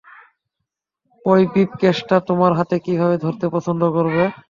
ওই ব্রিফকেসটা তোমার হাতে কীভাবে ধরতে পছন্দ করবে?